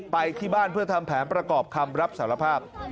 ไปที่บ้านเพื่อทำแผนประกอบคำรับสารภาพ